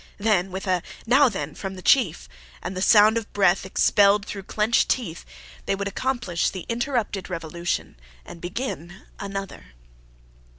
Then, with a "Now, then!" from the chief, and the sound of a breath expelled through clenched teeth, they would accomplish the interrupted revolution and begin another.